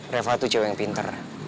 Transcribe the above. reva tujuh cewek yang pinter